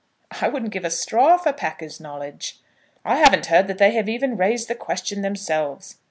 "I wouldn't give a straw for Packer's knowledge." "I haven't heard that they have even raised the question themselves."